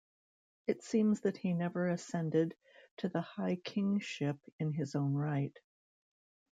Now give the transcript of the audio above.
It seems that he never ascended to the high-kingship in his own right.